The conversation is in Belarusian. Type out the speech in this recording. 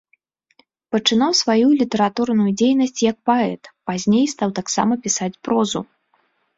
Пачынаў сваю літаратурную дзейнасць як паэт, пазней стаў таксама пісаць прозу.